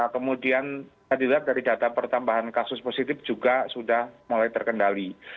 kemudian dilihat dari data pertambahan kasus positif juga sudah mulai terkendali